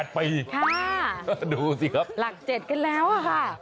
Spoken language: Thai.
ดูสิครับหลัก๗กันแล้วอะค่ะ